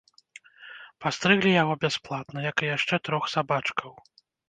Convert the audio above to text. Пастрыглі яго бясплатна, як і яшчэ трох сабачкаў.